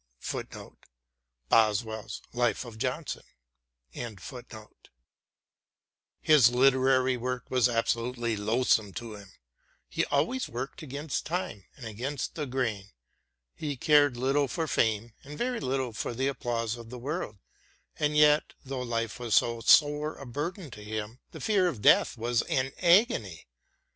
• His literary work was absolutely loathsome to him — ^he always worked against time and against the grain. He cared little for fame, and very little for the applause of the world. And yet, though Hfe was so sore a burden to him, the fear of death was an agony.